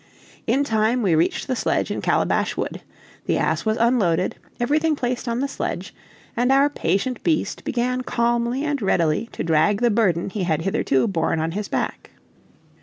In time we reached the sledge in Calabash Wood: the ass was unloaded, everything placed on the sledge, and our patient beast began calmly and readily to drag the burden he had hitherto borne on his back.